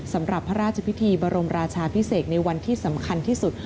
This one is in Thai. สำหรับพระราชพิธีบรมราชาพิเศษในวันที่สำคัญที่สุด